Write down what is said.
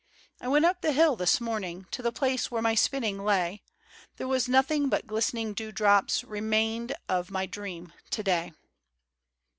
I went up the hill this morning To the place where my spinning lay, — There was nothing but glistening dewdrops Remained of my dream to day.